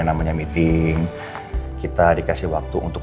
namanya meeting kita dikasih waktu untuk